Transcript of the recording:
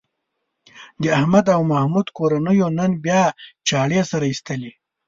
د احمد او محمود کورنیو نن بیا چاړې سره ایستلې.